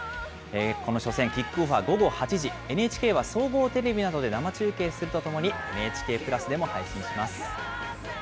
この初戦、キックオフは午後８時、ＮＨＫは総合テレビなどで生中継するとともに、ＮＨＫプラスでも配信します。